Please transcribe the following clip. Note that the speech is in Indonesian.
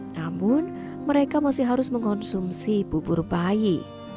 namun mereka masih harus mengkonsumsi bubur bayi